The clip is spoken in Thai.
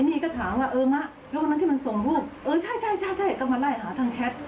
นี่ก็ถามว่าเออมะเรากำลังที่มันส่งภูมิเออใช่ก็มาไล่หาทางแชท